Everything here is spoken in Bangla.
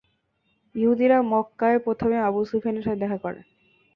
ইহুদীরা মক্কায় প্রথমে আবু সুফিয়ানের সাথে দেখা করে।